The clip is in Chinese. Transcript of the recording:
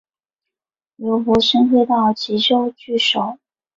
刘伯升退到棘阳据守。